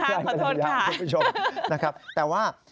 คุณผู้ชมนะครับแต่ว่า